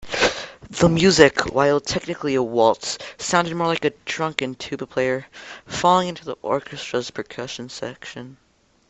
The music, while technically a waltz, sounded more like a drunken tuba player falling into the orchestra's percussion section.